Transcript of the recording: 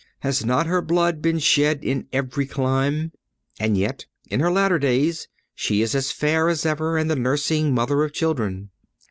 Has not her blood been shed in every clime? And yet in her latter days, she is as fair as ever, and the nursing mother of children.